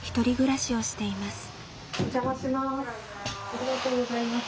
ありがとうございます。